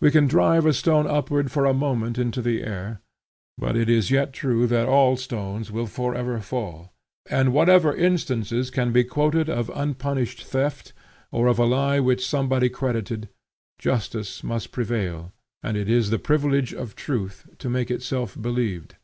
We can drive a stone upward for a moment into the air, but it is yet true that all stones will forever fall; and whatever instances can be quoted of unpunished theft, or of a lie which somebody credited, justice must prevail, and it is the privilege of truth to make itself believed.